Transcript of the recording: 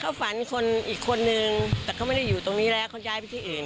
เขาฝันคนอีกคนนึงแต่เขาไม่ได้อยู่ตรงนี้แล้วเขาย้ายไปที่อื่น